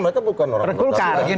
mereka bukan orang kulkar